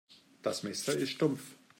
Das Messer ist stumpf.